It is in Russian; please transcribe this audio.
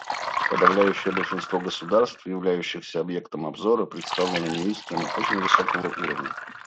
Подавляющее большинство государств, являющихся объектом обзора, представлено министрами очень высокого уровня.